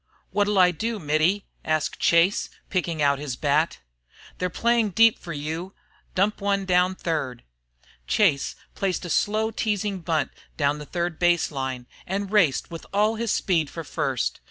"What'll I do, Mittie?" asked Chase, picking out his bat. "They're playing deep fer you. Dump one down third." Chase placed a slow teasing bunt down the third base line and raced with all his speed for first.